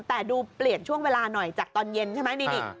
แต่ดูเปลี่ยนช่วงเวลาหน่อยจากตอนเย็นใช่ไหมนี่